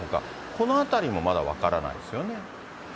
このあたりもまだ分からないですよね。